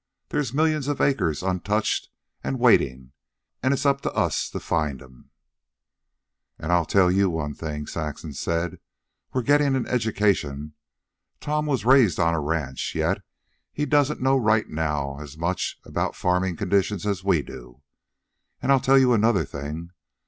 There's millions of acres untouched an' waitin', an' it's up to us to find 'em." "And I'll tell you one thing," Saxon said. "We're getting an education. Tom was raised on a ranch, yet he doesn't know right now as much about farming conditions as we do. And I'll tell you another thing.